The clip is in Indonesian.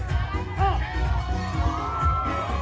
zumba membuat keringat lebih banyak